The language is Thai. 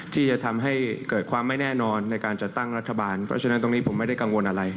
ที่จะทำให้เกิดความไม่แน่นอนในการจัดตั้งรัฐบาลเพราะฉะนั้นตรงนี้ผมไม่ได้กังวลอะไร